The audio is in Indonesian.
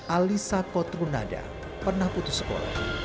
alisa kotrunada pernah putus sekolah